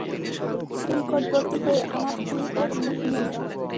সে আমার নিকটবর্তী হয়ে আমার তীর ও ধনুক নিয়ে নিল।